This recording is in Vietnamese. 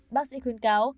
bác sĩ khuyến cáo